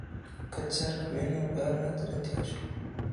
که څرخ وي نو بار نه درندیږي.